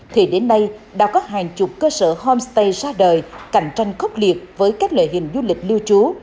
thì đến nay đã có hàng chục cơ sở homestay ra đời cạnh tranh khốc liệt với các loại hình du lịch lưu trú